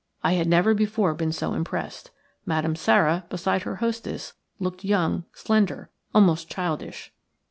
I had never before been so impressed. Madame Sara beside her hostess looked young, slender, almost childish.